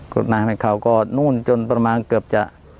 ดน้ำให้เขาก็นู่นจนประมาณเกือบจะ